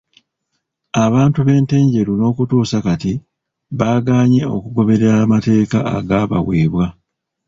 Abantu b'e Ntenjeru n'okutuusa kati bagaanye okugoberera amateeka agaabaweebwa.